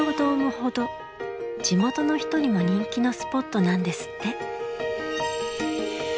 地元の人にも人気のスポットなんですって。